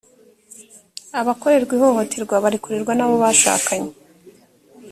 abakorerwa ihohoterwa barikorerwa nabobashakanye